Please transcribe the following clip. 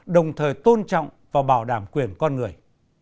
đồng thời tôn trọng và bảo đảm quyền con người